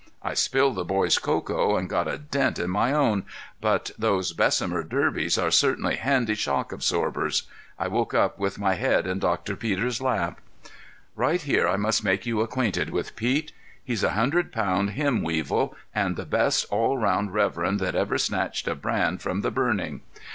I spilled the boys' cocoa and got a dent in my own, but those Bessemer derbies are certainly handy shock absorbers. I woke up with my head in Dr. Peters's lap. Right here I must make you acquainted with Pete. He's a hundred pound hymn weevil, and the best all round reverend that ever snatched a brand from the burning.